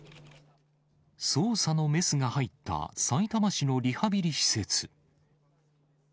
捜査のメスが入ったさいたま市のリハビリ施設。